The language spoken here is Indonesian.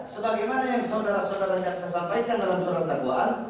sebagaimana yang saudara saudara jaksa sampaikan dalam surat dakwaan